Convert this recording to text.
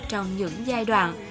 trong những giai đoạn